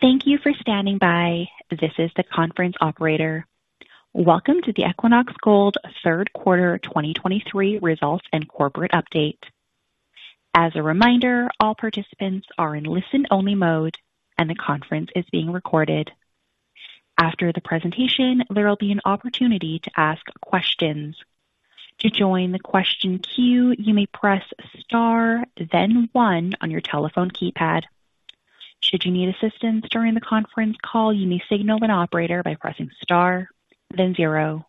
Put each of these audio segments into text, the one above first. Thank you for standing by. This is the conference operator. Welcome to the Equinox Gold Third Quarter 2023 Results and Corporate Update. As a reminder, all participants are in listen-only mode, and the conference is being recorded. After the presentation, there will be an opportunity to ask questions. To join the question queue, you may press star, then one on your telephone keypad. Should you need assistance during the conference call, you may signal an operator by pressing star, then zero.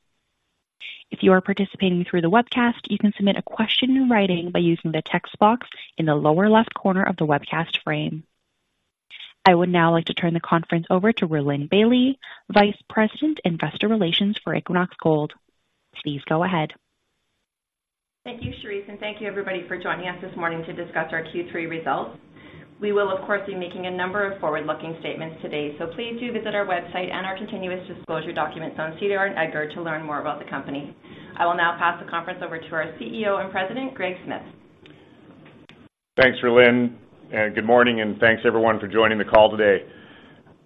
If you are participating through the webcast, you can submit a question in writing by using the text box in the lower left corner of the webcast frame. I would now like to turn the conference over to Rhylin Bailie, Vice President, Investor Relations for Equinox Gold. Please go ahead. Thank you, Charisse, and thank you everybody for joining us this morning to discuss our Q3 results. We will, of course, be making a number of forward-looking statements today, so please do visit our website and our continuous disclosure documents on SEDAR and EDGAR to learn more about the company. I will now pass the conference over to our CEO and President, Greg Smith. Thanks, Rhylin, and good morning, and thanks everyone for joining the call today.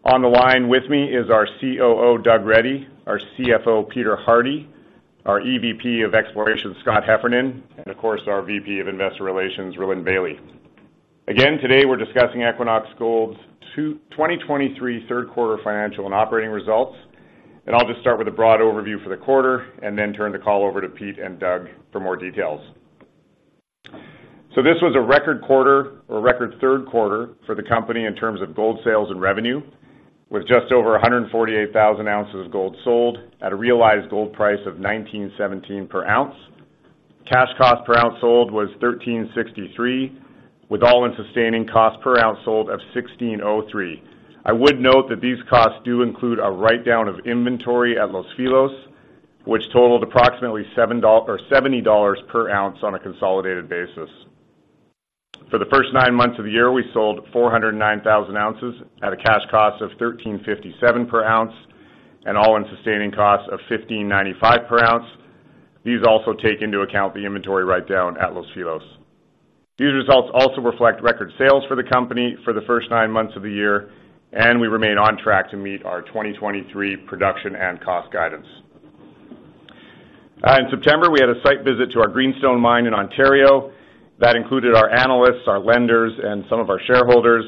On the line with me is our COO, Doug Reddy, our CFO, Peter Hardie, our EVP of Exploration, Scott Heffernan, and of course, our VP of Investor Relations, Rhylin Bailie. Again, today, we're discussing Equinox Gold's 2023 third quarter financial and operating results, and I'll just start with a broad overview for the quarter and then turn the call over to Pete and Doug for more details. So this was a record quarter or a record third quarter for the company in terms of gold sales and revenue, with just over 148,000 ounces of gold sold at a realized gold price of $1,917 per ounce. Cash cost per ounce sold was $1,363, with all-in sustaining cost per ounce sold of $1,603. I would note that these costs do include a write-down of inventory at Los Filos, which totaled approximately $70 per ounce on a consolidated basis. For the first nine months of the year, we sold 409,000 ounces at a cash cost of $1,357 per ounce and all-in sustaining costs of $1,595 per ounce. These also take into account the inventory write-down at Los Filos. These results also reflect record sales for the company for the first nine months of the year, and we remain on track to meet our 2023 production and cost guidance. In September, we had a site visit to our Greenstone mine in Ontario that included our analysts, our lenders, and some of our shareholders.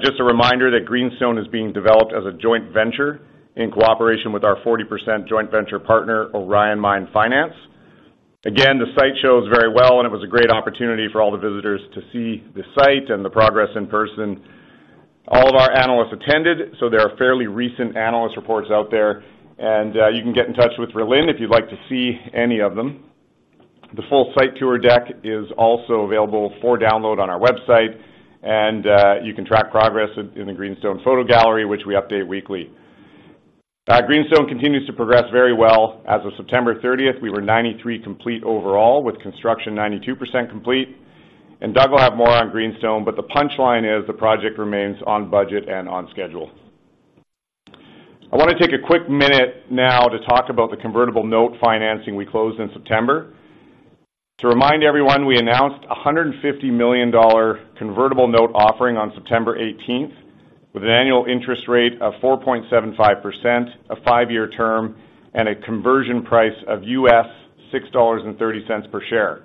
Just a reminder that Greenstone is being developed as a joint venture in cooperation with our 40% joint venture partner, Orion Mine Finance. Again, the site shows very well, and it was a great opportunity for all the visitors to see the site and the progress in person. All of our analysts attended, so there are fairly recent analyst reports out there, and you can get in touch with Rhylin if you'd like to see any of them. The full site tour deck is also available for download on our website, and you can track progress in the Greenstone photo gallery, which we update weekly. Greenstone continues to progress very well. As of September 30th, we were 93% complete overall, with construction 92% complete, and Doug will have more on Greenstone, but the punchline is the project remains on budget and on schedule. I want to take a quick minute now to talk about the convertible note financing we closed in September. To remind everyone, we announced a $150 million convertible note offering on September 18, with an annual interest rate of 4.75%, a five-year term, and a conversion price of $6.30 per share.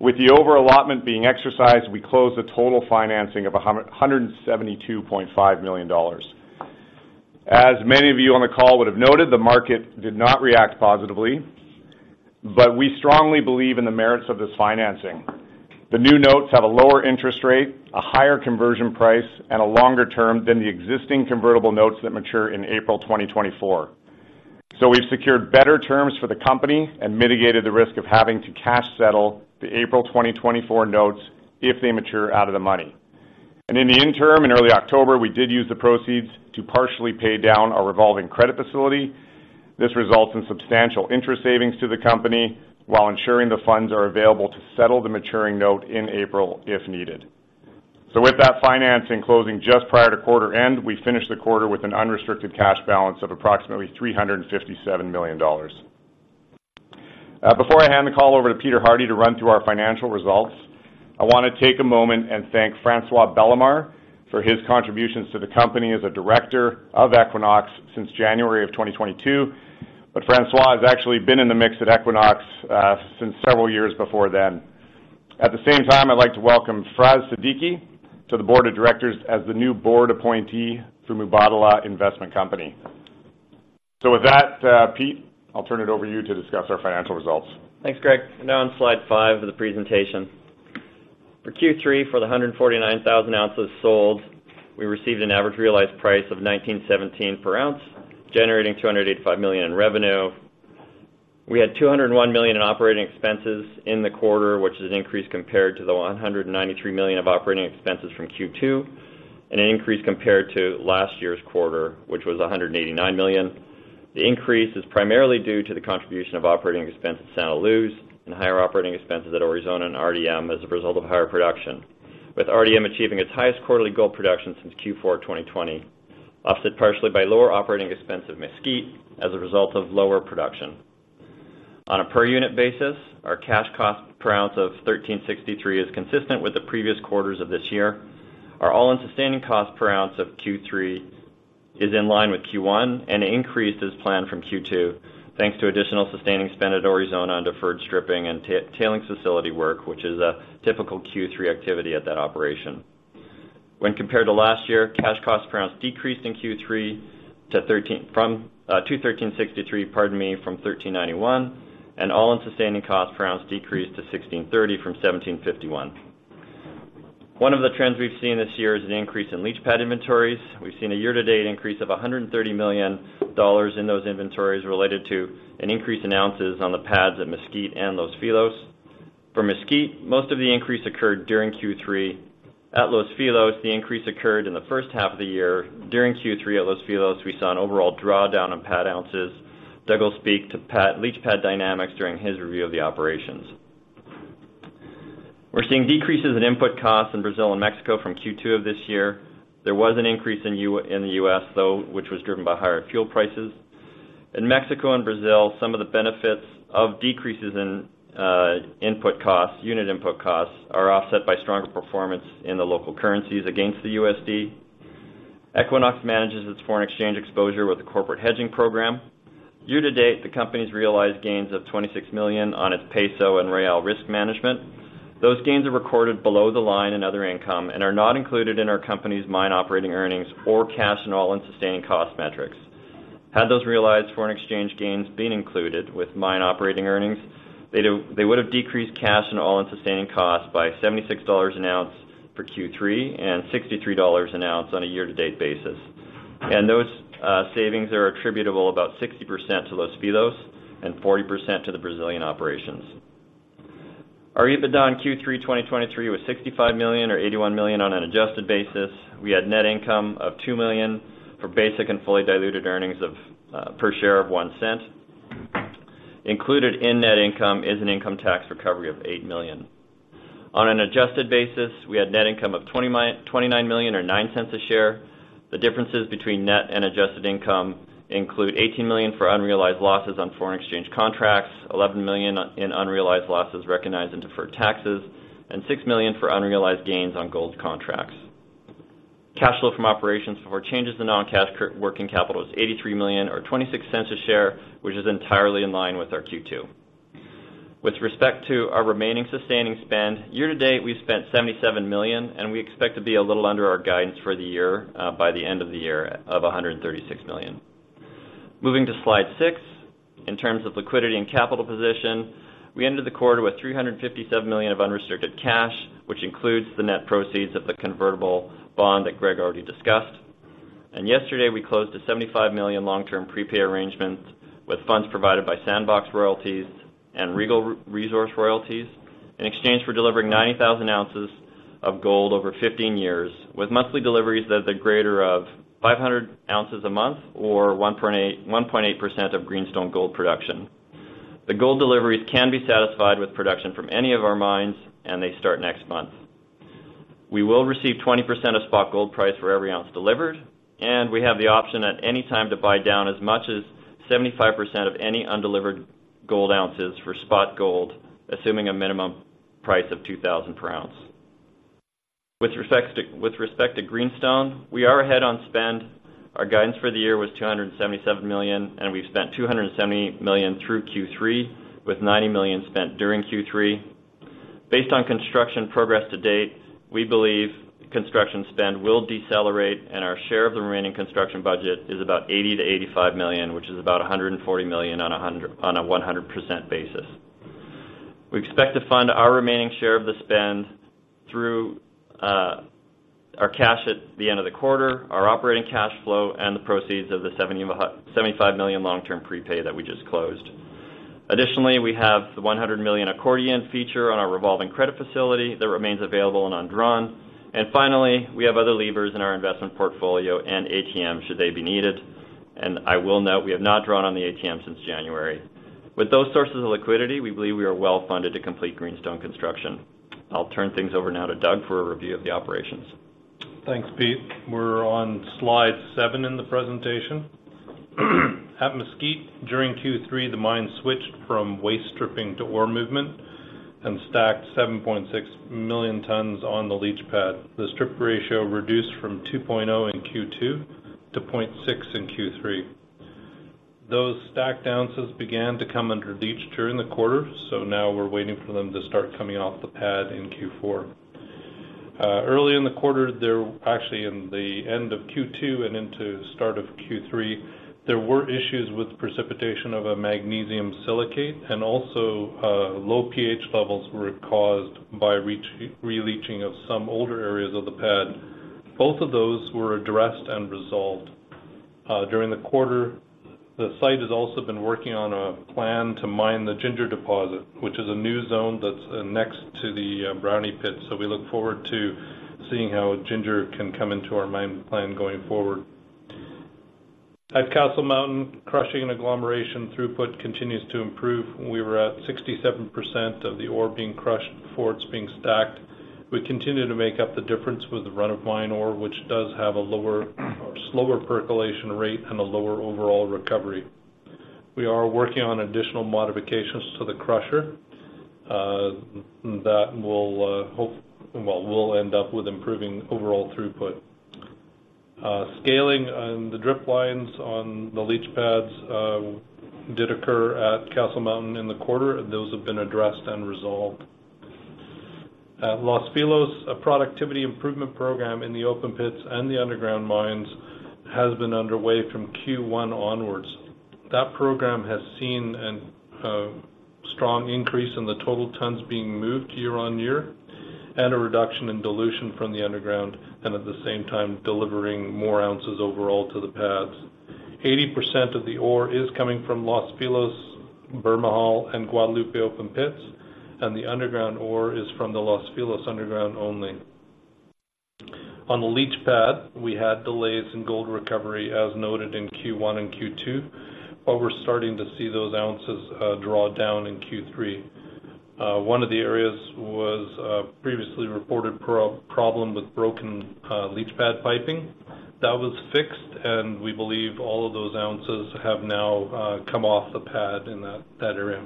With the over-allotment being exercised, we closed a total financing of $172.5 million. As many of you on the call would have noted, the market did not react positively, but we strongly believe in the merits of this financing. The new notes have a lower interest rate, a higher conversion price, and a longer term than the existing convertible notes that mature in April 2024. So we've secured better terms for the company and mitigated the risk of having to cash settle the April 2024 notes if they mature out of the money. And in the interim, in early October, we did use the proceeds to partially pay down our revolving credit facility. This results in substantial interest savings to the company while ensuring the funds are available to settle the maturing note in April, if needed. So with that financing closing just prior to quarter end, we finished the quarter with an unrestricted cash balance of approximately $357 million. Before I hand the call over to Peter Hardie to run through our financial results, I want to take a moment and thank François Bellar for his contributions to the company as a director of Equinox since January of 2022. But François has actually been in the mix at Equinox since several years before then. At the same time, I'd like to welcome Fraz Siddiqui to the board of directors as the new board appointee through Mubadala Investment Company. So with that, Pete, I'll turn it over to you to discuss our financial results. Thanks, Greg. Now on slide five of the presentation. For Q3, for the 149,000 ounces sold, we received an average realized price of $1,917 per ounce, generating $285 million in revenue. We had $201 million in operating expenses in the quarter, which is an increase compared to the $193 million of operating expenses from Q2, and an increase compared to last year's quarter, which was $189 million. The increase is primarily due to the contribution of operating expenses at Santa Luz and higher operating expenses at Aurizona and RDM as a result of higher production, with RDM achieving its highest quarterly gold production since Q4 2020, offset partially by lower operating expenses at Mesquite as a result of lower production. ...On a per unit basis, our cash cost per ounce of $1,363 is consistent with the previous quarters of this year. Our all-in sustaining cost per ounce of Q3 is in line with Q1, and an increase is planned from Q2, thanks to additional sustaining spend at Aurizona on deferred stripping and tailings facility work, which is a typical Q3 activity at that operation. When compared to last year, cash cost per ounce decreased in Q3 to 13, from, to $1,363, pardon me, from $1,391, and all-in sustaining cost per ounce decreased to $1,630 from $1,751. One of the trends we've seen this year is an increase in leach pad inventories. We've seen a year-to-date increase of $130 million in those inventories related to an increase in ounces on the pads at Mesquite and Los Filos. For Mesquite, most of the increase occurred during Q3. At Los Filos, the increase occurred in the first half of the year. During Q3 at Los Filos, we saw an overall drawdown in pad ounces. Doug will speak to pad, leach pad dynamics during his review of the operations. We're seeing decreases in input costs in Brazil and Mexico from Q2 of this year. There was an increase in the U.S., though, which was driven by higher fuel prices. In Mexico and Brazil, some of the benefits of decreases in input costs, unit input costs, are offset by stronger performance in the local currencies against the USD. Equinox manages its foreign exchange exposure with a corporate hedging program. Year to date, the company's realized gains of $26 million on its peso and real risk management. Those gains are recorded below the line in other income and are not included in our company's mine operating earnings or cash and all-in sustaining cost metrics. Had those realized foreign exchange gains been included with mine operating earnings, they would have decreased cash and all-in sustaining costs by $76 an ounce for Q3, and $63 an ounce on a year-to-date basis. And those savings are attributable about 60% to Los Filos and 40% to the Brazilian operations. Our EBITDA in Q3 2023 was $65 million, or $81 million on an adjusted basis. We had net income of $2 million for basic and fully diluted earnings per share of $0.01. Included in net income is an income tax recovery of $8 million. On an adjusted basis, we had net income of $29 million or $0.09 a share. The differences between net and adjusted income include $18 million for unrealized losses on foreign exchange contracts, $11 million in unrealized losses recognized in deferred taxes, and $6 million for unrealized gains on gold contracts. Cash flow from operations for changes in non-cash working capital was $83 million or $0.26 a share, which is entirely in line with our Q2. With respect to our remaining sustaining spend, year to date, we've spent $77 million, and we expect to be a little under our guidance for the year, by the end of the year, of $136 million. Moving to slide six. In terms of liquidity and capital position, we ended the quarter with $357 million of unrestricted cash, which includes the net proceeds of the convertible bond that Greg already discussed. Yesterday, we closed a $75 million long-term prepay arrangement with funds provided by Sandbox Royalties and Regal Resources Royalties, in exchange for delivering 90,000 ounces of gold over 15 years, with monthly deliveries that are the greater of 500 ounces a month or 1.8, 1.8% of Greenstone gold production. The gold deliveries can be satisfied with production from any of our mines, and they start next month. We will receive 20% of spot gold price for every ounce delivered, and we have the option at any time to buy down as much as 75% of any undelivered gold ounces for spot gold, assuming a minimum price of $2,000 per ounce. With respect to Greenstone, we are ahead on spend. Our guidance for the year was $277 million, and we've spent $270 million through Q3, with $90 million spent during Q3. Based on construction progress to date, we believe construction spend will decelerate, and our share of the remaining construction budget is about $80-$85 million, which is about $140 million on a 100% basis. We expect to fund our remaining share of the spend through our cash at the end of the quarter, our operating cash flow, and the proceeds of the $75 million long-term prepay that we just closed. Additionally, we have the $100 million accordion feature on our revolving credit facility that remains available and undrawn. Finally, we have other levers in our investment portfolio and ATM, should they be needed. I will note, we have not drawn on the ATM since January. With those sources of liquidity, we believe we are well-funded to complete Greenstone construction. I'll turn things over now to Doug for a review of the operations. Thanks, Pete. We're on slide seven in the presentation. At Mesquite, during Q3, the mine switched from waste stripping to ore movement and stacked 7.6 million tons on the leach pad. The strip ratio reduced from 2.0 in Q2 to 0.6 in Q3. Those stacked ounces began to come under leach during the quarter, so now we're waiting for them to start coming off the pad in Q4. Early in the quarter, actually, in the end of Q2 and into the start of Q3, there were issues with precipitation of a magnesium silicate, and also, low pH levels were caused by releaching of some older areas of the pad. Both of those were addressed and resolved. During the quarter, the site has also been working on a plan to mine the Ginger deposit, which is a new zone that's next to the Brownie pit. So we look forward to seeing how Ginger can come into our mine plan going forward. At Castle Mountain, crushing and agglomeration throughput continues to improve. We were at 67% of the ore being crushed before it's being stacked. We continue to make up the difference with the run of mine ore, which does have a lower or slower percolation rate and a lower overall recovery. We are working on additional modifications to the crusher that will end up with improving overall throughput. Scaling on the drip lines on the leach pads did occur at Castle Mountain in the quarter, and those have been addressed and resolved. At Los Filos, a productivity improvement program in the open pits and the underground mines has been underway from Q1 onwards. That program has seen a strong increase in the total tons being moved year-on-year, and a reduction in dilution from the underground, and at the same time, delivering more ounces overall to the pads. 80% of the ore is coming from Los Filos, Bermejal, and Guadalupe open pits, and the underground ore is from the Los Filos underground only. On the leach pad, we had delays in gold recovery, as noted in Q1 and Q2, but we're starting to see those ounces draw down in Q3. One of the areas was previously reported problem with broken leach pad piping. That was fixed, and we believe all of those ounces have now come off the pad in that area.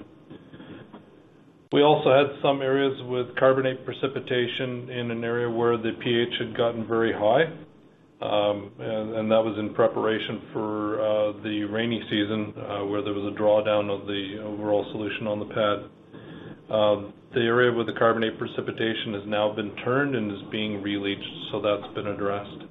We also had some areas with carbonate precipitation in an area where the pH had gotten very high, and that was in preparation for the rainy season, where there was a drawdown of the overall solution on the pad. The area with the carbonate precipitation has now been turned and is being re-leached, so that's been addressed.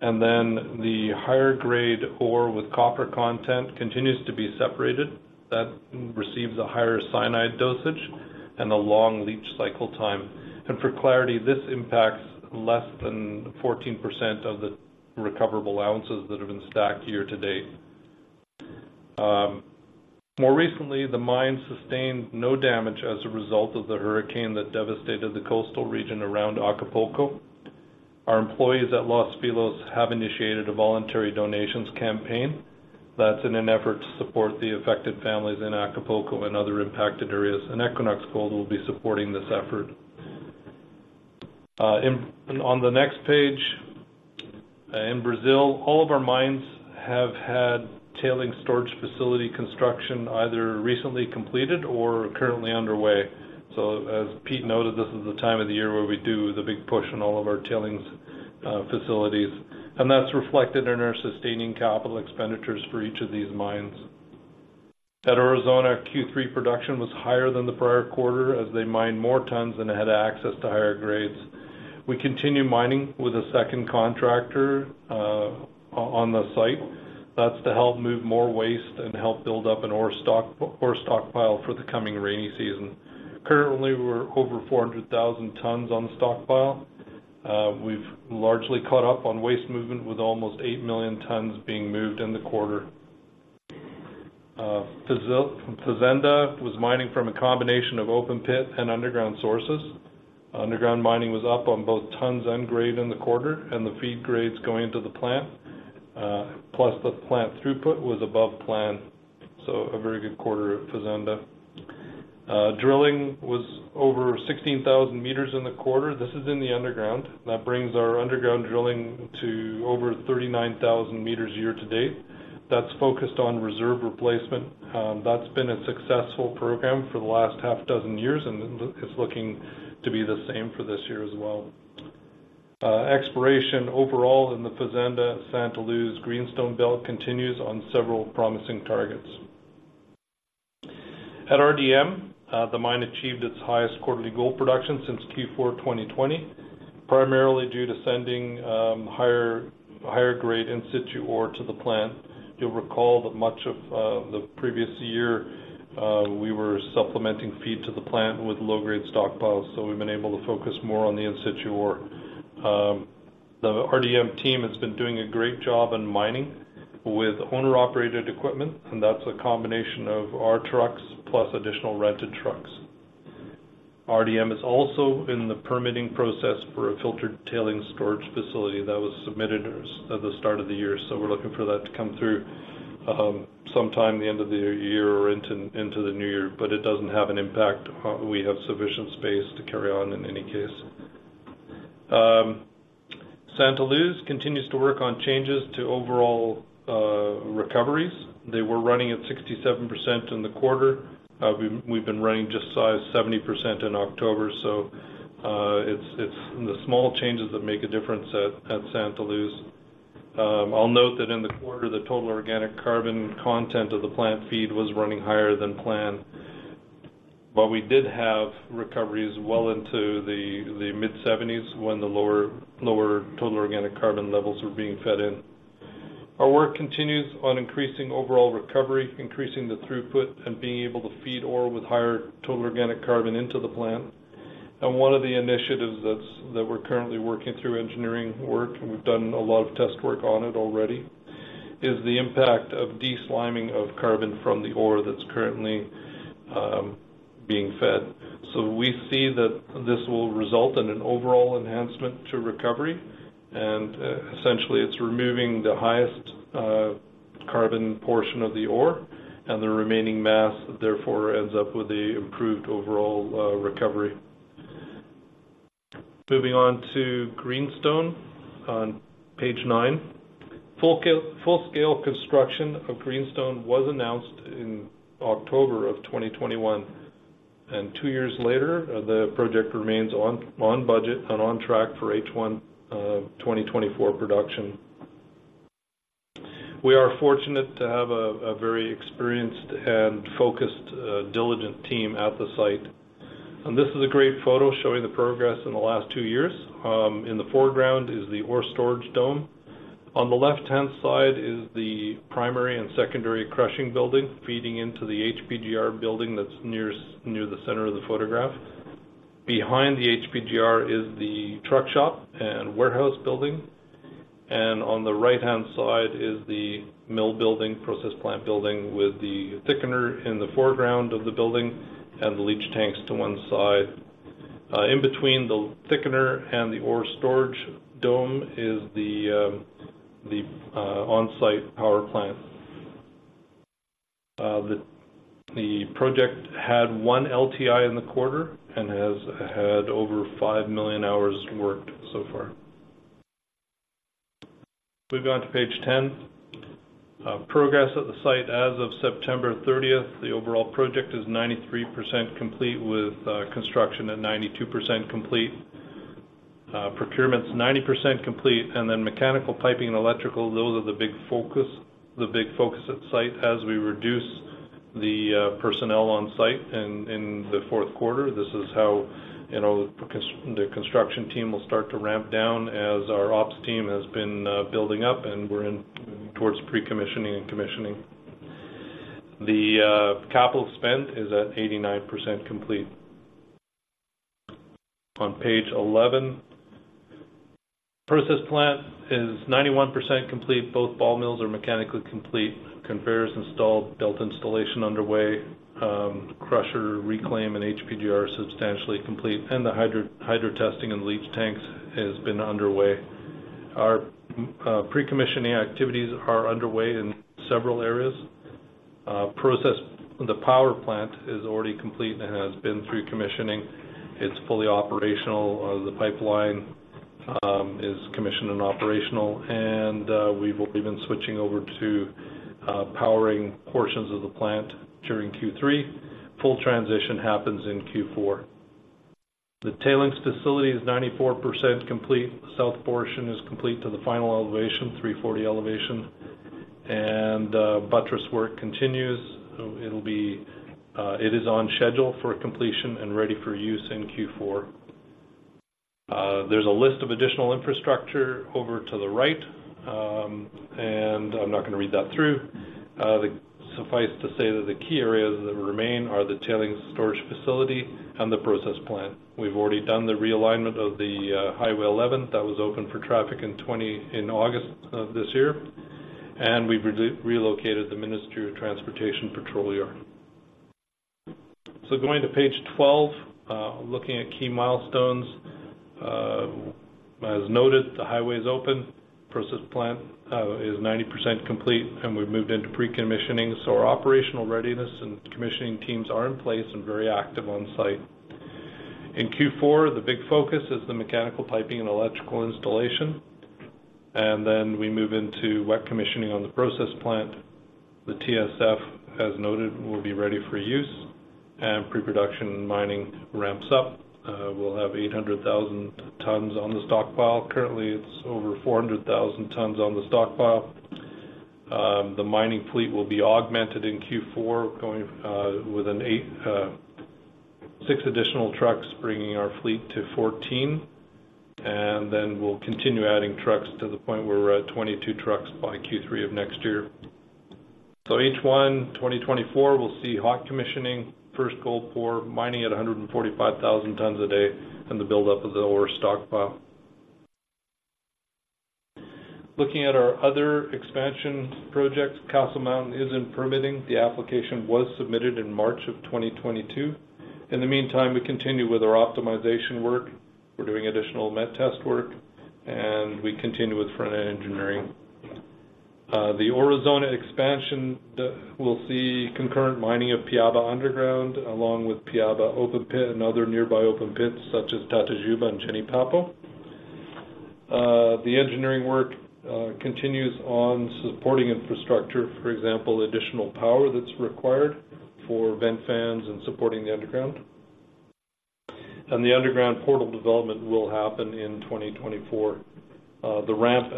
And then, the higher grade ore with copper content continues to be separated. That receives a higher cyanide dosage and a long leach cycle time. And for clarity, this impacts less than 14% of the recoverable ounces that have been stacked year to date. More recently, the mine sustained no damage as a result of the hurricane that devastated the coastal region around Acapulco. Our employees at Los Filos have initiated a voluntary donations campaign that's in an effort to support the affected families in Acapulco and other impacted areas, and Equinox Gold will be supporting this effort. On the next page, in Brazil, all of our mines have had tailings storage facility construction, either recently completed or currently underway. So as Pete noted, this is the time of the year where we do the big push on all of our tailings facilities, and that's reflected in our sustaining capital expenditures for each of these mines. At Aurizona, Q3 production was higher than the prior quarter, as they mined more tons and had access to higher grades. We continue mining with a second contractor on the site. That's to help move more waste and help build up an ore stockpile for the coming rainy season. Currently, we're over 400,000 tons on the stockpile. We've largely caught up on waste movement, with almost 8 million tons being moved in the quarter. Fazenda was mining from a combination of open pit and underground sources. Underground mining was up on both tons and grade in the quarter, and the feed grades going into the plant, plus the plant throughput was above plan, so a very good quarter at Fazenda. Drilling was over 16,000 meters in the quarter. This is in the underground. That brings our underground drilling to over 39,000 meters year to date. That's focused on reserve replacement. That's been a successful program for the last half dozen years, and it, it's looking to be the same for this year as well. Exploration overall in the Fazenda Santa Luz Greenstone belt continues on several promising targets. At RDM, the mine achieved its highest quarterly gold production since Q4 2020, primarily due to sending higher, higher grade in situ ore to the plant. You'll recall that much of the previous year, we were supplementing feed to the plant with low-grade stockpiles, so we've been able to focus more on the in situ ore. The RDM team has been doing a great job in mining with owner-operated equipment, and that's a combination of our trucks plus additional rented trucks. RDM is also in the permitting process for a filtered tailings storage facility that was submitted at the start of the year, so we're looking for that to come through sometime the end of the year or into the new year. But it doesn't have an impact. We have sufficient space to carry on in any case. Santa Luz continues to work on changes to overall recoveries. They were running at 67% in the quarter. We've been running just shy of 70% in October, so it's the small changes that make a difference at Santa Luz. I'll note that in the quarter, the total organic carbon content of the plant feed was running higher than planned, but we did have recoveries well into the mid-70s when the lower total organic carbon levels were being fed in. Our work continues on increasing overall recovery, increasing the throughput, and being able to feed ore with higher total organic carbon into the plant. One of the initiatives that we're currently working through engineering work, and we've done a lot of test work on it already, is the impact of de-sliming of carbon from the ore that's currently being fed. So we see that this will result in an overall enhancement to recovery, and essentially, it's removing the highest carbon portion of the ore, and the remaining mass, therefore, ends up with a improved overall recovery. Moving on to Greenstone on page nine. Full-scale construction of Greenstone was announced in October of 2021, and two years later, the project remains on budget and on track for H1 2024 production. We are fortunate to have a very experienced and focused diligent team at the site. And this is a great photo showing the progress in the last two years. In the foreground is the ore storage dome. On the left-hand side is the primary and secondary crushing building, feeding into the HPGR building that's nearest to the center of the photograph. Behind the HPGR is the truck shop and warehouse building, and on the right-hand side is the mill building, process plant building, with the thickener in the foreground of the building and the leach tanks to one side. In between the thickener and the ore storage dome is the on-site power plant. The project had one LTI in the quarter and has had over 5 million hours worked so far. Moving on to page 10. Progress at the site as of September 30th, the overall project is 93% complete, with construction at 92% complete. Procurement's 90% complete, and then mechanical, piping, and electrical, those are the big focus, the big focus at site as we reduce the personnel on site in the fourth quarter. This is how, you know, the construction team will start to ramp down as our ops team has been building up, and we're in towards pre-commissioning and commissioning. The capital spend is at 89% complete. On page 11, process plant is 91% complete. Both ball mills are mechanically complete, conveyors installed, belt installation underway, crusher, reclaim, and HPGR are substantially complete, and the hydro testing and leach tanks has been underway. Our pre-commissioning activities are underway in several areas. Process, the power plant is already complete and has been through commissioning. It's fully operational. The pipeline is commissioned and operational, and we've been switching over to powering portions of the plant during Q3. Full transition happens in Q4. The tailings facility is 94% complete. South portion is complete to the final elevation, 340 elevation, and buttress work continues. It is on schedule for completion and ready for use in Q4. There's a list of additional infrastructure over to the right, and I'm not gonna read that through. Suffice to say that the key areas that remain are the tailings storage facility and the process plant. We've already done the realignment of the Highway 11. That was open for traffic in August of this year, and we've relocated the Ministry of Transportation patrol yard. So going to page 12, looking at key milestones. As noted, the highway is open, process plant is 90% complete, and we've moved into pre-commissioning. So our operational readiness and commissioning teams are in place and very active on site. In Q4, the big focus is the mechanical piping and electrical installation, and then we move into wet commissioning on the process plant. The TSF, as noted, will be ready for use, and pre-production mining ramps up. We'll have 800,000 tons on the stockpile. Currently, it's over 400,000 tons on the stockpile. The mining fleet will be augmented in Q4, going with an eight, six additional trucks, bringing our fleet to 14, and then we'll continue adding trucks to the point where we're at 22 trucks by Q3 of next year. H1 2024, we'll see hot commissioning, first gold pour, mining at 145,000 tons a day, and the buildup of the ore stockpile. Looking at our other expansion projects, Castle Mountain is in permitting. The application was submitted in March 2022. In the meantime, we continue with our optimization work. We're doing additional met test work, and we continue with front-end engineering. The Aurizona expansion will see concurrent mining of Piaba Underground, along with Piaba open pit and other nearby open pits, such as Tatajuba and Jenipapo. The engineering work continues on supporting infrastructure, for example, additional power that's required for vent fans and supporting the underground. The underground portal development will happen in 2024. The ramp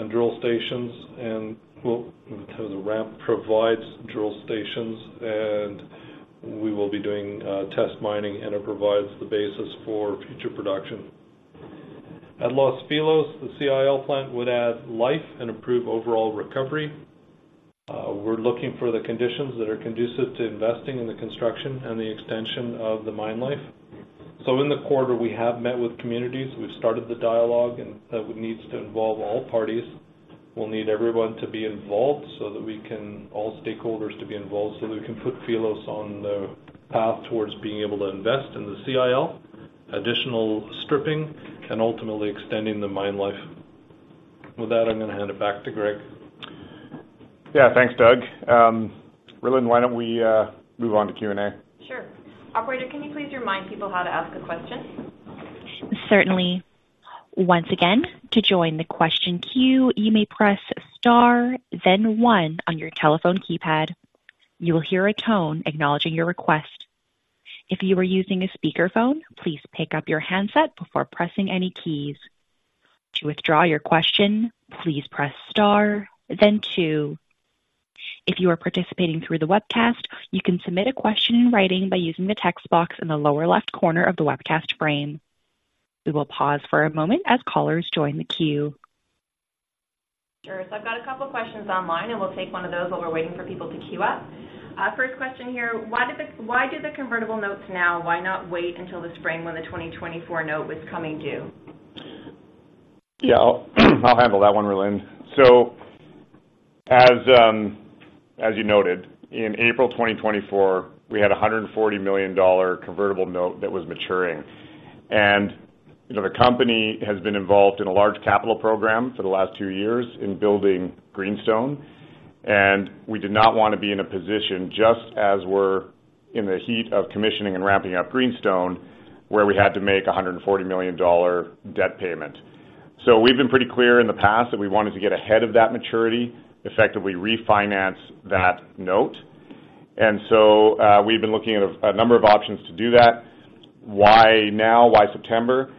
provides drill stations, and we will be doing test mining, and it provides the basis for future production. At Los Filos, the CIL plant would add life and improve overall recovery. We're looking for the conditions that are conducive to investing in the construction and the extension of the mine life. So in the quarter, we have met with communities. We've started the dialogue, and that needs to involve all parties. We'll need everyone to be involved so that we can all stakeholders to be involved, so that we can put Filos on the path towards being able to invest in the CIL, additional stripping and ultimately extending the mine life. With that, I'm going to hand it back to Greg. Yeah, thanks, Doug. Rhylin, why don't we move on to Q&A? Sure. Operator, can you please remind people how to ask a question? Certainly. Once again, to join the question queue, you may press star, then one on your telephone keypad. You will hear a tone acknowledging your request. If you are using a speakerphone, please pick up your handset before pressing any keys. To withdraw your question, please press star, then two. If you are participating through the webcast, you can submit a question in writing by using the text box in the lower left corner of the webcast frame. We will pause for a moment as callers join the queue. Sure. So I've got a couple of questions online, and we'll take one of those while we're waiting for people to queue up. First question here: Why do the convertible notes now? Why not wait until the spring when the 2024 note was coming due? Yeah, I'll handle that one, Rhylin. So as you noted, in April 2024, we had a $140 million convertible note that was maturing. And, you know, the company has been involved in a large capital program for the last two years in building Greenstone, and we did not want to be in a position just as we're in the heat of commissioning and ramping up Greenstone, where we had to make a $140 million debt payment. So we've been pretty clear in the past that we wanted to get ahead of that maturity, effectively refinance that note. And so, we've been looking at a number of options to do that. Why now? Why September?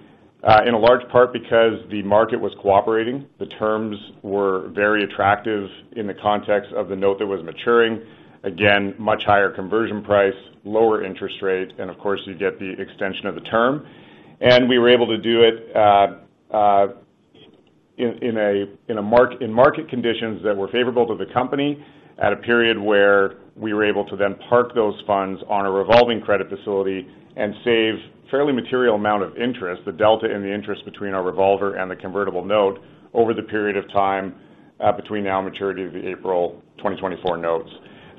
In a large part, because the market was cooperating. The terms were very attractive in the context of the note that was maturing. Again, much higher conversion price, lower interest rate, and of course, you get the extension of the term. We were able to do it in market conditions that were favorable to the company at a period where we were able to then park those funds on a revolving credit facility and save fairly material amount of interest, the delta in the interest between our revolver and the convertible note over the period of time between now and maturity of the April 2024 notes.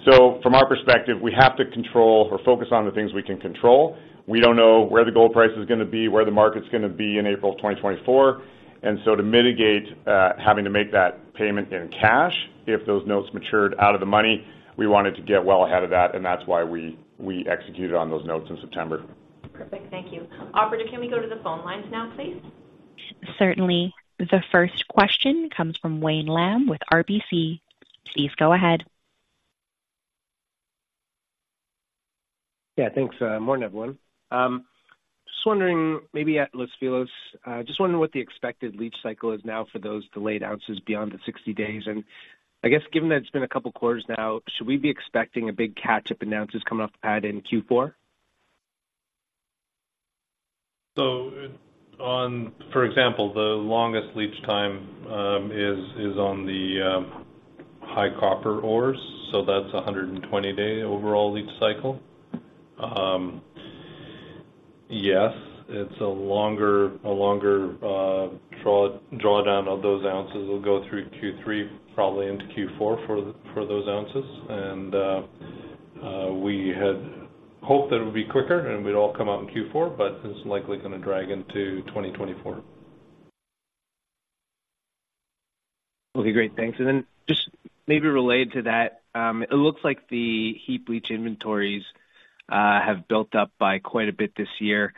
From our perspective, we have to control or focus on the things we can control. We don't know where the gold price is gonna be, where the market's gonna be in April 2024, and so to mitigate having to make that payment in cash, if those notes matured out of the money, we wanted to get well ahead of that, and that's why we executed on those notes in September. Perfect. Thank you. Operator, can we go to the phone lines now, please? Certainly. The first question comes from Wayne Lam with RBC. Please go ahead. Yeah, thanks. Morning, everyone. Just wondering, maybe at Los Filos, just wondering what the expected leach cycle is now for those delayed ounces beyond the 60 days. And I guess, given that it's been a couple of quarters now, should we be expecting a big catch-up in ounces coming off the pad in Q4? So on, for example, the longest leach time is on the high copper ores, so that's a 120-day overall leach cycle. Yes, it's a longer drawdown of those ounces. It'll go through Q3, probably into Q4 for those ounces. And we had hoped that it would be quicker and we'd all come out in Q4, but it's likely gonna drag into 2024. Okay, great. Thanks. And then just maybe related to that, it looks like the heap leach inventories have built up by quite a bit this year.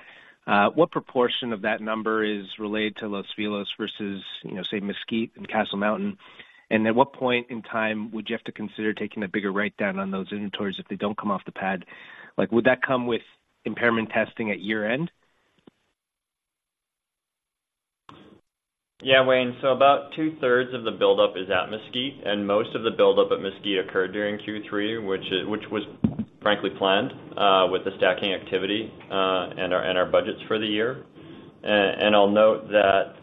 What proportion of that number is related to Los Filos versus, you know, say, Mesquite and Castle Mountain? And at what point in time would you have to consider taking a bigger write-down on those inventories if they don't come off the pad? Like, would that come with impairment testing at year-end? Yeah, Wayne. So about two-thirds of the buildup is at Mesquite, and most of the buildup at Mesquite occurred during Q3, which was frankly planned, with the stacking activity, and our budgets for the year. And I'll note that,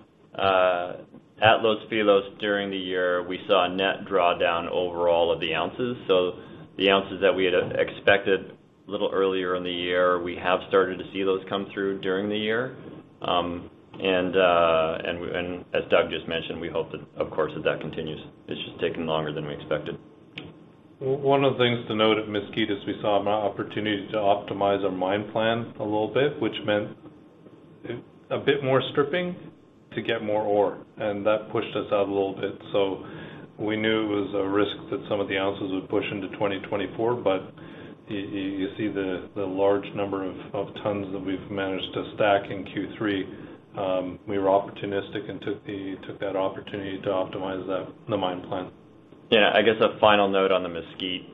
at Los Filos, during the year, we saw a net drawdown overall of the ounces. So the ounces that we had expected a little earlier in the year, we have started to see those come through during the year. And as Doug just mentioned, we hope that, of course, that continues. It's just taking longer than we expected. One of the things to note at Mesquite is we saw an opportunity to optimize our mine plan a little bit, which meant a bit more stripping to get more ore, and that pushed us out a little bit. So we knew it was a risk that some of the ounces would push into 2024, but you see the large number of tons that we've managed to stack in Q3. We were opportunistic and took that opportunity to optimize the mine plan. Yeah, I guess a final note on the Mesquite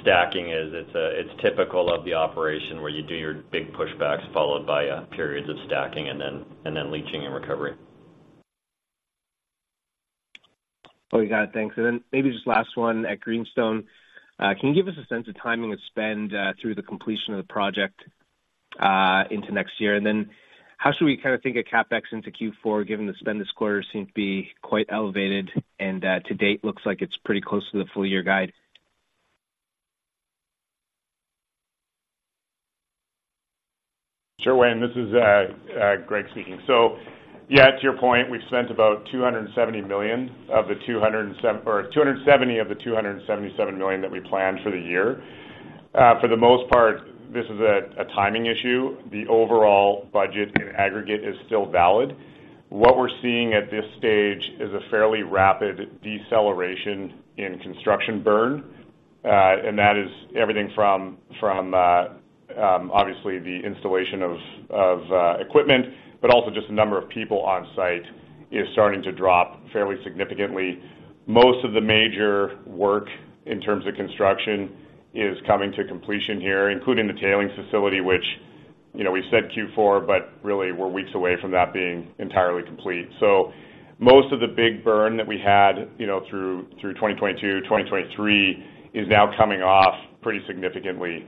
stacking is it's typical of the operation where you do your big pushbacks, followed by periods of stacking and then leaching and recovery. Okay, got it. Thanks. And then maybe just last one at Greenstone. Can you give us a sense of timing of spend through the completion of the project into next year? And then how should we kind of think of CapEx into Q4, given the spend this quarter seems to be quite elevated, and to date, looks like it's pretty close to the full-year guide? Sure, Wayne, this is Greg speaking. Yeah, to your point, we've spent about $270 million of the $277 million that we planned for the year. For the most part, this is a timing issue. The overall budget in aggregate is still valid. What we're seeing at this stage is a fairly rapid deceleration in construction burn, and that is everything from the installation of equipment, but also just the number of people on site is starting to drop fairly significantly. Most of the major work in terms of construction is coming to completion here, including the tailings facility, which, you know, we said Q4, but really we're weeks away from that being entirely complete. So most of the big burn that we had, you know, through 2022, 2023, is now coming off pretty significantly.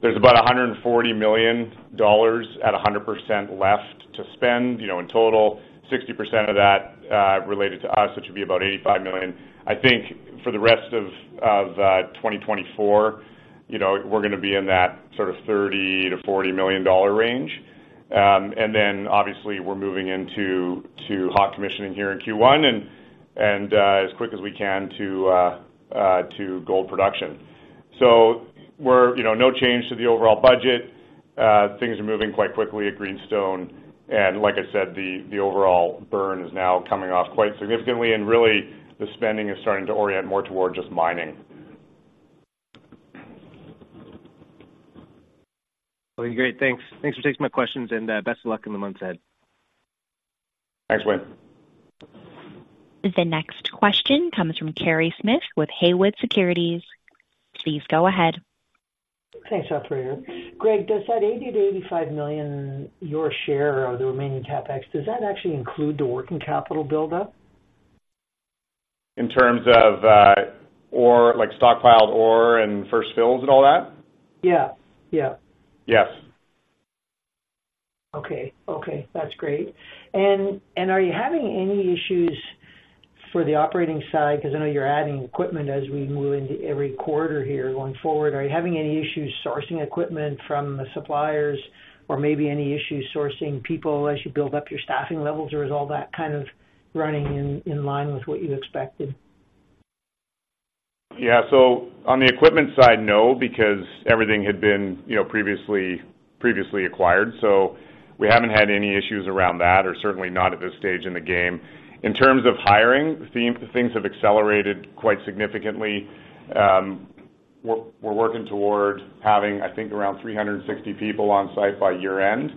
There's about $140 million at 100% left to spend, you know, in total, 60% of that related to us, which would be about $85 million. I think for the rest of 2024, you know, we're gonna be in that sort of $30 million-$40 million range. And then obviously, we're moving into hot commissioning here in Q1 and as quick as we can to gold production. So we're, you know, no change to the overall budget. Things are moving quite quickly at Greenstone, and like I said, the overall burn is now coming off quite significantly, and really, the spending is starting to orient more toward just mining. Okay, great. Thanks. Thanks for taking my questions, and, best of luck in the months ahead. Thanks, Wynn. The next question comes from Kerry Smith with Haywood Securities. Please go ahead. Thanks, operator. Greg, does that $80 million-$85 million, your share of the remaining CapEx, does that actually include the working capital buildup? In terms of ore, like stockpiled ore and first fills and all that? Yeah. Yeah. Yes. Okay. Okay, that's great. And, are you having any issues for the operating side? Because I know you're adding equipment as we move into every quarter here going forward. Are you having any issues sourcing equipment from the suppliers or maybe any issues sourcing people as you build up your staffing levels, or is all that kind of running in line with what you expected? Yeah. So on the equipment side, no, because everything had been, you know, previously acquired. So we haven't had any issues around that, or certainly not at this stage in the game. In terms of hiring, things have accelerated quite significantly. We're working toward having, I think, around 360 people on site by year-end.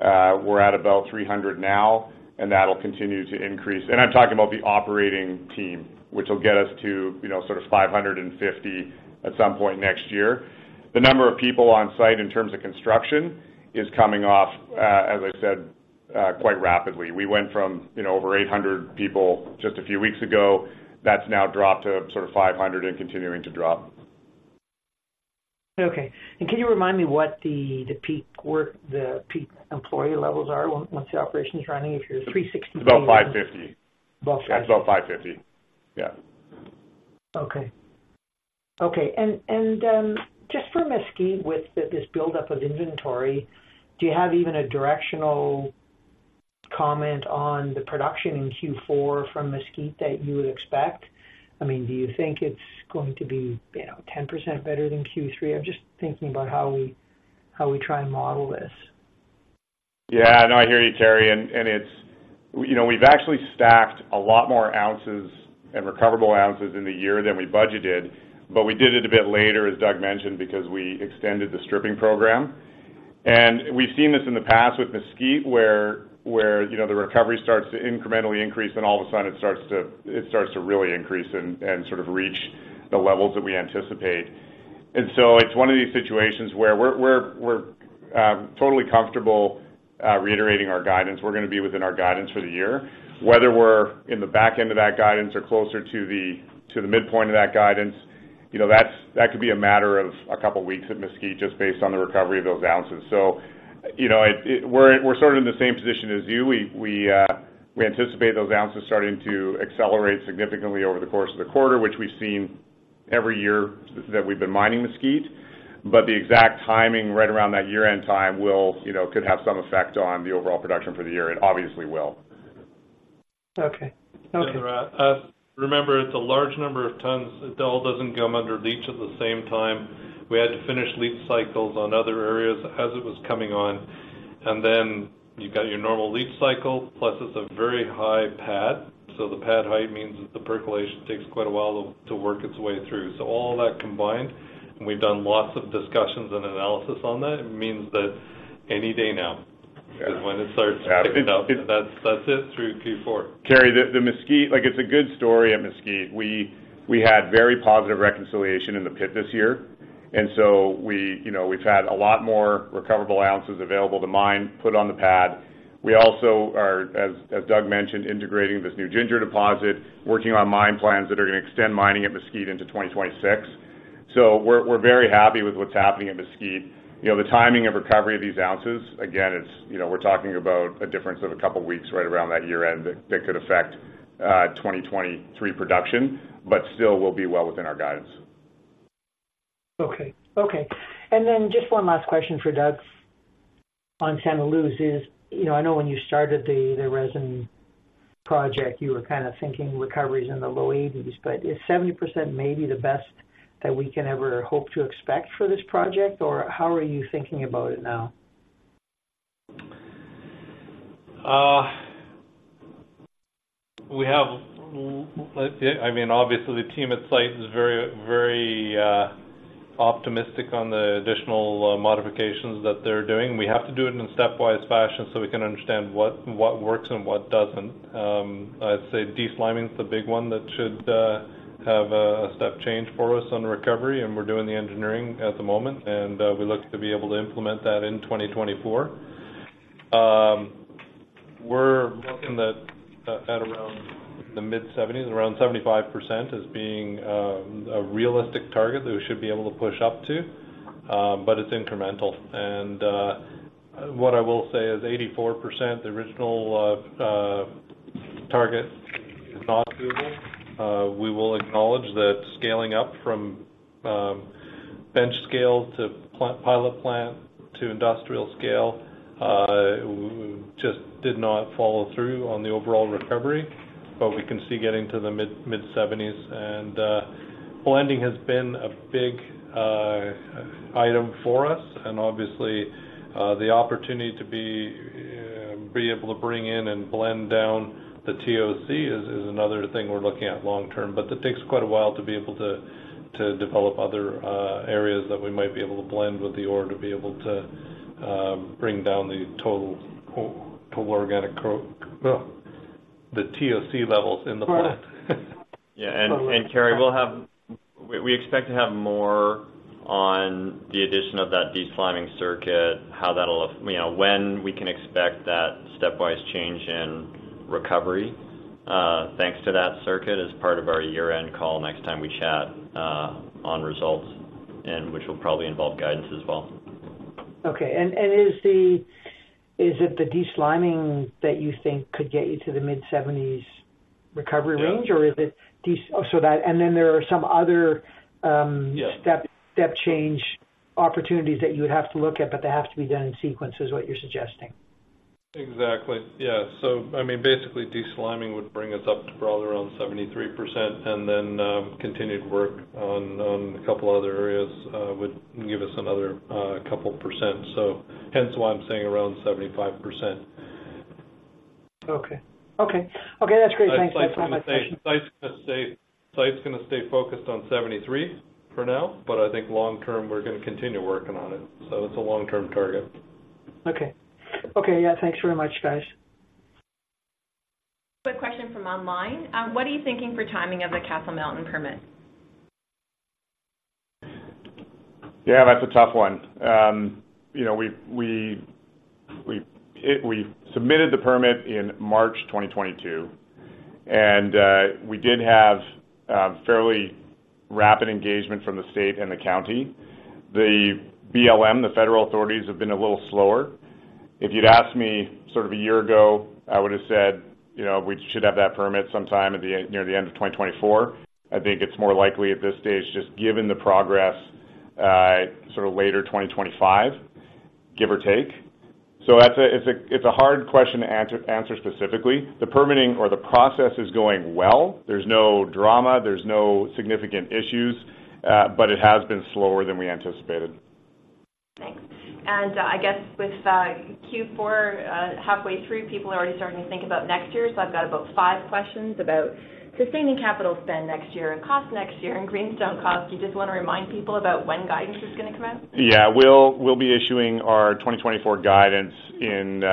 We're at about 300 now, and that'll continue to increase. And I'm talking about the operating team, which will get us to, you know, sort of 550 at some point next year. The number of people on site in terms of construction is coming off, as I said, quite rapidly. We went from, you know, over 800 people just a few weeks ago. That's now dropped to sort of 500 and continuing to drop. Okay. And can you remind me what the peak work, the peak employee levels are once the operation's running, if you're 360- About 5:50. About 5:50. Yeah, it's about 5:50. Yeah. Okay. Okay, and just for Mesquite, with this buildup of inventory, do you have even a directional comment on the production in Q4 from Mesquite that you would expect? I mean, do you think it's going to be, you know, 10% better than Q3? I'm just thinking about how we try and model this. Yeah. No, I hear you, Kerry, and it's... You know, we've actually stacked a lot more ounces and recoverable ounces in the year than we budgeted, but we did it a bit later, as Doug mentioned, because we extended the stripping program. And we've seen this in the past with Mesquite, where you know, the recovery starts to incrementally increase, then all of a sudden it starts to really increase and sort of reach the levels that we anticipate. And so it's one of these situations where we're totally comfortable reiterating our guidance. We're gonna be within our guidance for the year. Whether we're in the back end of that guidance or closer to the midpoint of that guidance, you know, that could be a matter of a couple of weeks at Mesquite, just based on the recovery of those ounces. So, you know, we're, we're sort of in the same position as you. We, we anticipate those ounces starting to accelerate significantly over the course of the quarter, which we've seen every year that we've been mining Mesquite, but the exact timing, right around that year-end time will, you know, could have some effect on the overall production for the year. It obviously will. Okay. Okay. Remember, it's a large number of tons. It all doesn't come under leach at the same time. We had to finish leach cycles on other areas as it was coming on, and then you've got your normal leach cycle, plus it's a very high pad. The pad height means that the percolation takes quite a while to work its way through. All that combined, and we've done lots of discussions and analysis on that, it means that any day now- Yeah... is when it starts picking up. That's, that's it through Q4. Kerry, the Mesquite, like, it's a good story at Mesquite. We had very positive reconciliation in the pit this year, and so, you know, we've had a lot more recoverable ounces available to mine, put on the pad. We also are, as Doug mentioned, integrating this new Ginger deposit, working on mine plans that are gonna extend mining at Mesquite into 2026. So we're very happy with what's happening at Mesquite. You know, the timing of recovery of these ounces, again, it's, you know, we're talking about a difference of a couple of weeks right around that year-end that could affect 2023 production, but still will be well within our guidance.... Okay, okay. And then just one last question for Doug on Santa Luz is, you know, I know when you started the resin project, you were kind of thinking recoveries in the low 80s%, but is 70% maybe the best that we can ever hope to expect for this project? Or how are you thinking about it now? We have, let's see, I mean, obviously, the team at site is very, very optimistic on the additional modifications that they're doing. We have to do it in a stepwise fashion so we can understand what works and what doesn't. I'd say desliming is the big one that should have a step change for us on recovery, and we're doing the engineering at the moment, and we look to be able to implement that in 2024. We're looking at around the mid-70s, around 75%, as being a realistic target that we should be able to push up to, but it's incremental. And what I will say is 84%, the original target, is not doable. We will acknowledge that scaling up from bench scale to plant, pilot plant to industrial scale just did not follow through on the overall recovery, but we can see getting to the mid-seventies. Blending has been a big item for us. Obviously, the opportunity to be able to bring in and blend down the TOC is another thing we're looking at long term, but it takes quite a while to be able to develop other areas that we might be able to blend with the ore to be able to bring down the total organic, the TOC levels in the plant. Yeah, and Kerry, we expect to have more on the addition of that desliming circuit, how that'll, you know, when we can expect that stepwise change in recovery, thanks to that circuit as part of our year-end call, next time we chat on results, and which will probably involve guidance as well. Okay. And is it the desliming that you think could get you to the mid-70s recovery range? Yeah. So that, and then there are some other, Yeah... step, step change opportunities that you would have to look at, but they have to be done in sequence, is what you're suggesting? Exactly. Yeah. So I mean, basically, desliming would bring us up to probably around 73%, and then continued work on a couple other areas would give us another couple of percent. So hence why I'm saying around 75%. Okay. Okay. Okay, that's great. Thanks. That's my last question. Site's gonna stay, site's gonna stay focused on 73 for now, but I think long term, we're gonna continue working on it. So it's a long-term target. Okay. Okay, yeah, thanks very much, guys. Quick question from online. What are you thinking for timing of the Castle Mountain permit? Yeah, that's a tough one. You know, we've submitted the permit in March 2022, and we did have fairly rapid engagement from the state and the county. The BLM, the federal authorities, have been a little slower. If you'd asked me sort of a year ago, I would have said, "You know, we should have that permit sometime at the end, near the end of 2024." I think it's more likely at this stage, just given the progress, sort of later 2025, give or take. So that's a, it's a, it's a hard question to answer specifically. The permitting or the process is going well. There's no drama, there's no significant issues, but it has been slower than we anticipated. Thanks. I guess with Q4 halfway through, people are already starting to think about next year. I've got about five questions about sustaining capital spend next year and cost next year and Greenstone costs. Do you just want to remind people about when guidance is going to come out? Yeah. We'll, we'll be issuing our 2024 guidance in,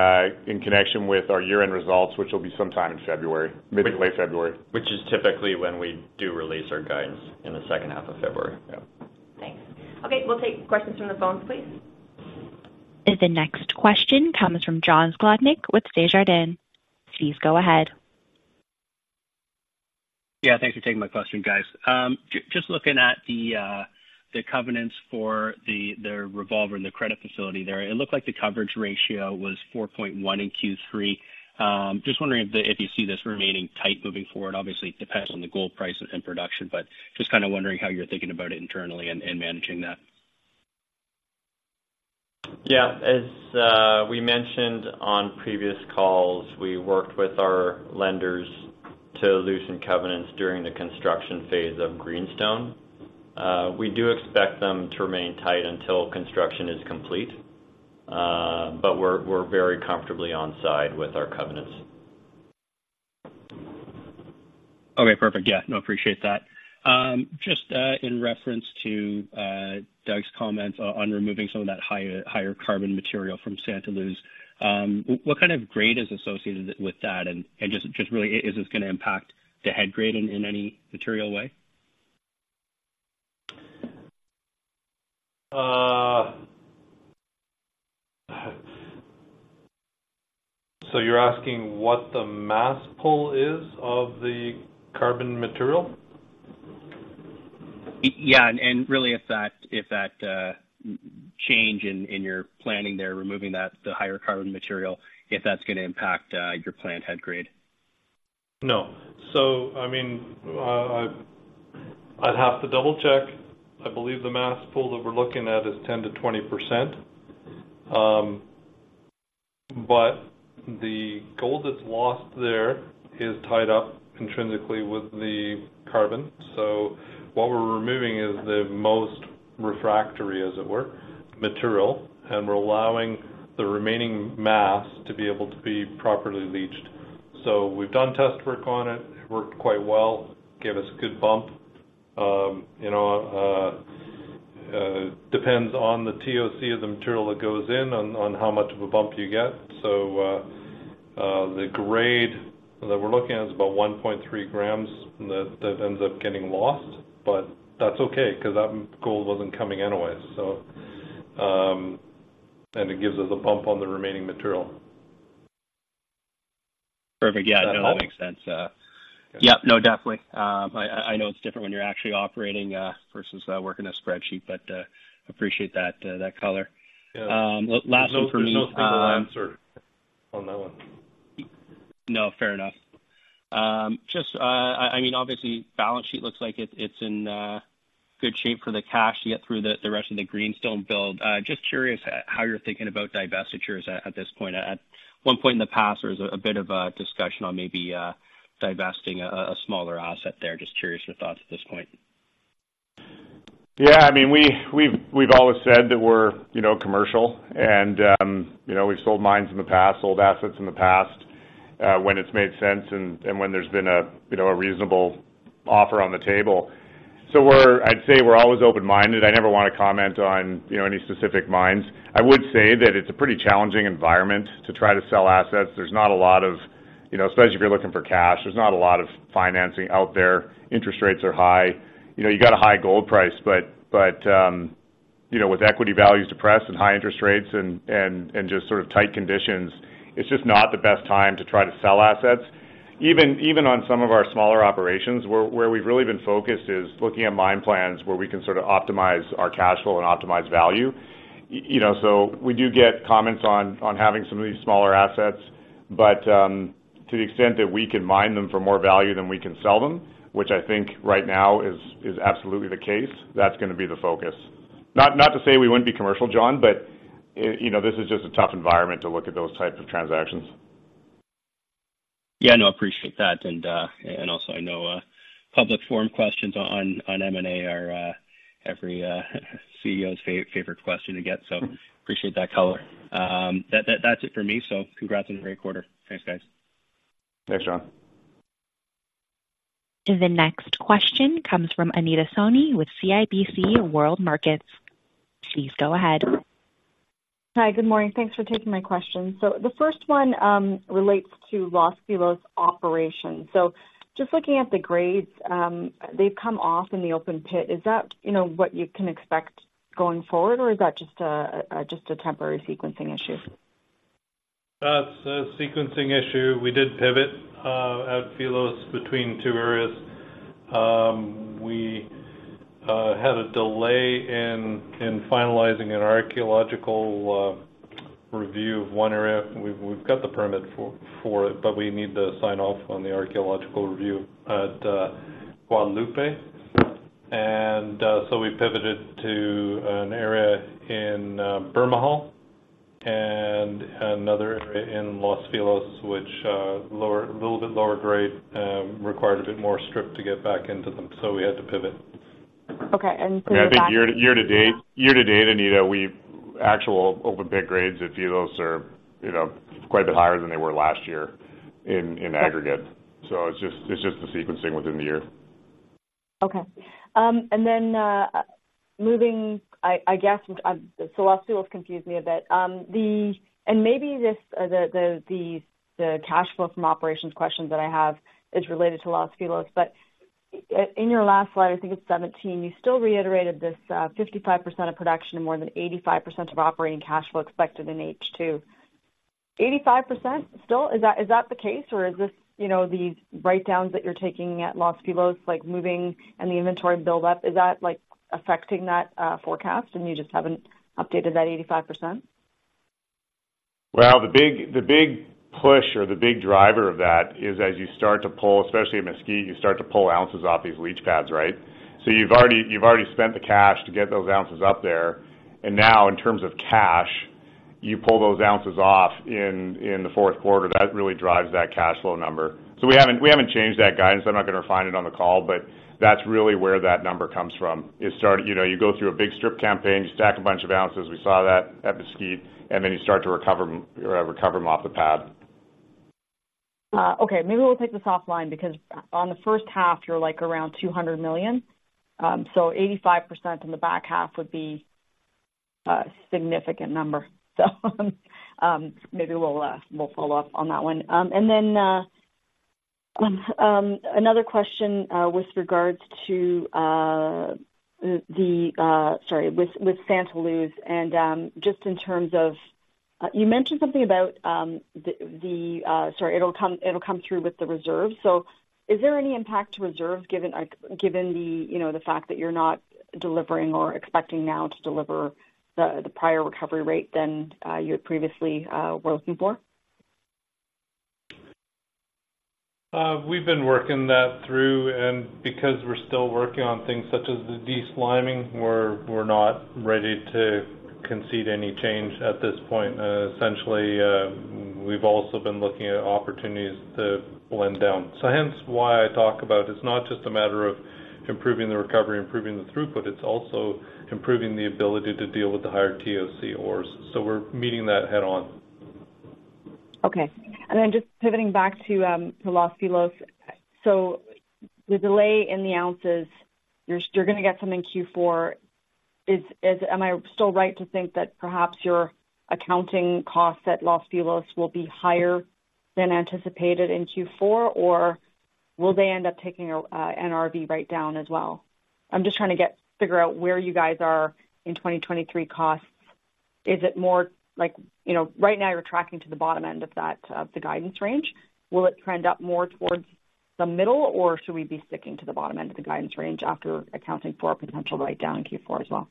in connection with our year-end results, which will be sometime in February, maybe late February. Which is typically when we do release our guidance, in the second half of February. Yeah. Thanks. Okay, we'll take questions from the phones, please. The next question comes from John Sclodnick with Desjardins. Please go ahead. Yeah, thanks for taking my question, guys. Just looking at the, the covenants for the, the revolver and the credit facility there, it looked like the coverage ratio was 4.1 in Q3. Just wondering if the, if you see this remaining tight moving forward. Obviously, it depends on the gold price and production, but just kind of wondering how you're thinking about it internally and, and managing that. Yeah. As we mentioned on previous calls, we worked with our lenders to loosen covenants during the construction phase of Greenstone. We do expect them to remain tight until construction is complete, but we're very comfortably on side with our covenants. Okay, perfect. Yeah, no, appreciate that. Just, in reference to, Doug's comments on removing some of that higher, higher carbon material from Santa Luz, what kind of grade is associated with that? And, and just, just really, is this gonna impact the head grade in, in any material way? You're asking what the mass pull is of the carbon material? Yeah, and really, if that change in your planning there, removing that, the higher carbon material, if that's gonna impact your planned head grade?... No. So, I mean, I'd have to double-check. I believe the mass pull that we're looking at is 10%-20%. But the gold that's lost there is tied up intrinsically with the carbon. So what we're removing is the most refractory, as it were, material, and we're allowing the remaining mass to be able to be properly leached. So we've done test work on it. It worked quite well, gave us a good bump. You know, depends on the TOC of the material that goes in on how much of a bump you get. So, the grade that we're looking at is about 1.3 grams, and that ends up getting lost, but that's okay, 'cause that gold wasn't coming anyways. So, and it gives us a bump on the remaining material. Perfect. Yeah, no, that makes sense. Yep, no, definitely. I know it's different when you're actually operating versus working a spreadsheet, but appreciate that color. Yeah. Last one for me, There's no single answer on that one. No, fair enough. Just, I mean, obviously, balance sheet looks like it's in good shape for the cash to get through the rest of the Greenstone build. Just curious at how you're thinking about divestitures at this point. At one point in the past, there was a bit of a discussion on maybe divesting a smaller asset there. Just curious your thoughts at this point. Yeah, I mean, we've always said that we're, you know, commercial, and, you know, we've sold mines in the past, sold assets in the past, when it's made sense and, and when there's been a, you know, a reasonable offer on the table. So we're, I'd say we're always open-minded. I never wanna comment on, you know, any specific mines. I would say that it's a pretty challenging environment to try to sell assets. There's not a lot of, you know, especially if you're looking for cash, there's not a lot of financing out there. Interest rates are high. You know, you got a high gold price, but, you know, with equity values depressed and high interest rates and, and, and just sort of tight conditions, it's just not the best time to try to sell assets. Even on some of our smaller operations, where we've really been focused is looking at mine plans where we can sort of optimize our cash flow and optimize value. You know, so we do get comments on having some of these smaller assets, but to the extent that we can mine them for more value than we can sell them, which I think right now is absolutely the case, that's gonna be the focus. Not to say we wouldn't be commercial, John, but you know, this is just a tough environment to look at those types of transactions. Yeah, no, appreciate that. And also, I know public forum questions on M&A are every CEO's favorite question to get, so appreciate that color. That's it for me. So congrats on a great quarter. Thanks, guys. Thanks, John. The next question comes from Anita Soni with CIBC World Markets. Please go ahead. Hi, good morning. Thanks for taking my question. So the first one relates to Los Filos operations. So just looking at the grades, they've come off in the open pit. Is that, you know, what you can expect going forward, or is that just a temporary sequencing issue? That's a sequencing issue. We did pivot at Filos between two areas. We had a delay in finalizing an archaeological review of one area. We've got the permit for it, but we need to sign off on the archaeological review at Guadalupe. And so we pivoted to an area in Bermejal and another area in Los Filos, which lower, a little bit lower grade, required a bit more strip to get back into them, so we had to pivot. Okay, and then- I think year to date, Anita, we've actually open pit grades at Filos are, you know, quite a bit higher than they were last year in aggregate. So it's just the sequencing within the year. Okay. And then, moving, I guess, so Los Filos confused me a bit. And maybe this, the cash flow from operations questions that I have is related to Los Filos, but, in your last slide, I think it's 17, you still reiterated this, 55% of production and more than 85% of operating cash flow expected in H2. 85% still, is that the case, or is this, you know, the write-downs that you're taking at Los Filos, like, moving and the inventory build-up, is that, like, affecting that forecast and you just haven't updated that 85%? Well, the big, the big push or the big driver of that is as you start to pull, especially at Mesquite, you start to pull ounces off these leach pads, right? So you've already, you've already spent the cash to get those ounces up there, and now in terms of cash, you pull those ounces off in, in the fourth quarter. That really drives that cash flow number. So we haven't, we haven't changed that guidance. I'm not gonna refine it on the call, but that's really where that number comes from. It start, you know, you go through a big strip campaign, you stack a bunch of ounces, we saw that at Mesquite, and then you start to recover them, recover them off the pad. Okay, maybe we'll take this offline because on the first half, you're like around $200 million. So 85% in the back half would be a significant number. So, maybe we'll follow up on that one. And then, another question, with regards to, sorry, with Santa Luz, and just in terms of... You mentioned something about, the, sorry, it'll come, it'll come through with the reserves. So... Is there any impact to reserves, given, given the, you know, the fact that you're not delivering or expecting now to deliver the, the prior recovery rate than you had previously were looking for? We've been working that through, and because we're still working on things such as the de-sliming, we're not ready to concede any change at this point. Essentially, we've also been looking at opportunities to blend down. So hence why I talk about it's not just a matter of improving the recovery, improving the throughput, it's also improving the ability to deal with the higher TOC ores. So we're meeting that head-on. Okay. And then just pivoting back to Los Filos. So the delay in the ounces, you're, you're gonna get some in Q4. Is-- am I still right to think that perhaps your accounting costs at Los Filos will be higher than anticipated in Q4, or will they end up taking a NRV write down as well? I'm just trying to figure out where you guys are in 2023 costs. Is it more like, you know, right now you're tracking to the bottom end of that, of the guidance range. Will it trend up more towards the middle, or should we be sticking to the bottom end of the guidance range after accounting for a potential write-down in Q4 as well?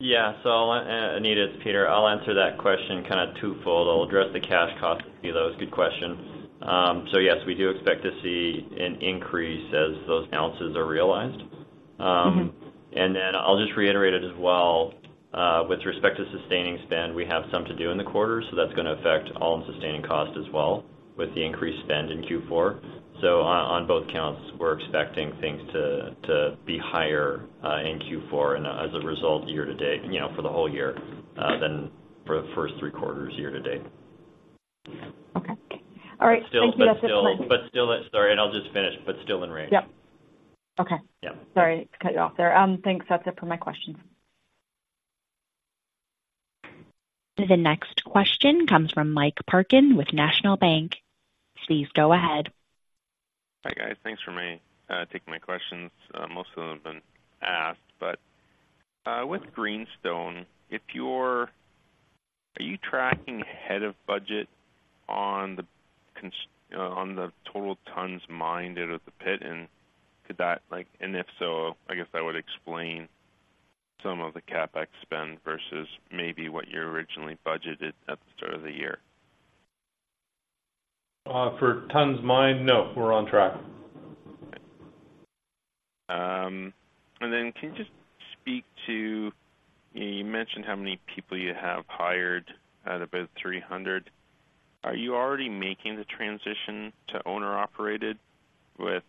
Yeah. So, Anita, it's Peter. I'll answer that question kinda twofold. I'll address the cash cost. Filos, good question. So yes, we do expect to see an increase as those ounces are realized. Mm-hmm. Then I'll just reiterate it as well. With respect to sustaining spend, we have some to do in the quarter, so that's gonna affect all of the sustaining costs as well, with the increased spend in Q4. So on both counts, we're expecting things to be higher in Q4, and as a result, year to date, you know, for the whole year, than for the first three quarters year to date. Okay. All right. Thank you. But still, sorry, and I'll just finish, but still in range. Yep. Okay. Yeah. Sorry to cut you off there. Thanks. That's it for my questions. The next question comes from Mike Parkin with National Bank. Please go ahead. Hi, guys. Thanks for letting me take my questions. Most of them have been asked, but with Greenstone, are you tracking ahead of budget on the total tons mined out of the pit? And could that, like... And if so, I guess that would explain some of the CapEx spend versus maybe what you originally budgeted at the start of the year. For tons mined, no, we're on track. And then, can you just speak to, you know, you mentioned how many people you have hired, at about 300. Are you already making the transition to owner-operated with,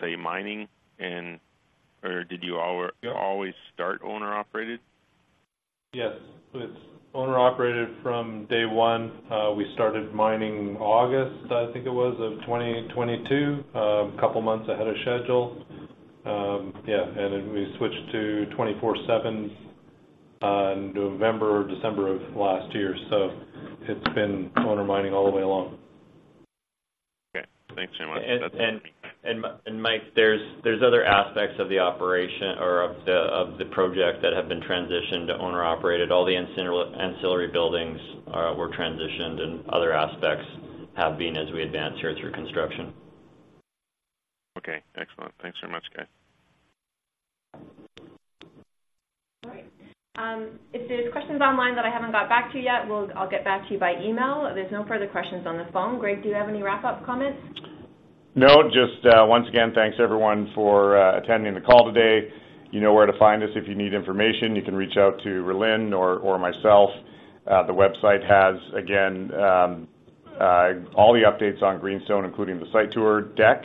say, mining and, or did you al- Yeah. Always start owner-operated? Yes, it's owner-operated from day one. We started mining August, I think it was, of 2022, a couple of months ahead of schedule. Yeah, and then we switched to 24/7 on November or December of last year, so it's been owner mining all the way along. Okay, thanks very much. Mike, there's other aspects of the operation or of the project that have been transitioned to owner-operated. All the ancillary buildings were transitioned and other aspects have been as we advance here through construction. Okay, excellent. Thanks so much, guys. All right. If there's questions online that I haven't got back to you yet, I'll get back to you by email. There's no further questions on the phone. Greg, do you have any wrap-up comments? No, just, once again, thanks, everyone, for attending the call today. You know where to find us. If you need information, you can reach out to Rhylin or myself. The website has, again, all the updates on Greenstone, including the site tour deck.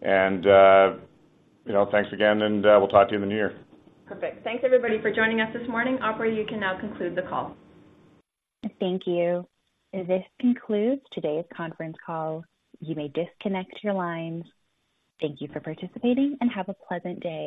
And, you know, thanks again, and, we'll talk to you in the new year. Perfect. Thanks, everybody, for joining us this morning. Operator, you can now conclude the call. Thank you. This concludes today's conference call. You may disconnect your lines. Thank you for participating, and have a pleasant day.